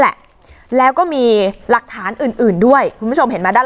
สลับผัดเปลี่ยนกันงมค้นหาต่อเนื่อง๑๐ชั่วโมงด้วยกัน